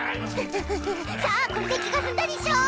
さあこれで気が済んだでぃしょう！